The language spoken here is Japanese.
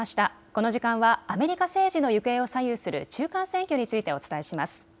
この時間はアメリカ政治の行方を左右する中間選挙についてお伝えします。